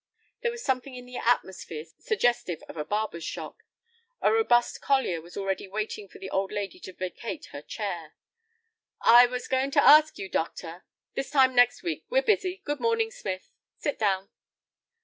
There was something in the atmosphere suggestive of a barber's shop. A robust collier was already waiting for the old lady to vacate her chair. "I was goin' to ask you, doctor—" "This time next week. We're busy. Good morning, Smith; sit down."